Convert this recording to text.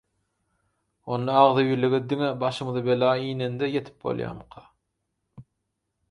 Onda agzybirlige diňe başymyza bela inende ýetip bolýarmyka?